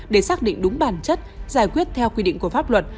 để xác định đúng bản chất giải quyết theo quy định của pháp luật